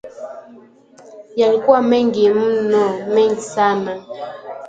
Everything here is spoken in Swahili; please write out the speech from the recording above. Yalikuwa mengi mno! Mengi sana